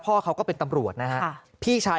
พ่อเขาก็เป็นตำรวจนะฮะพี่ชาย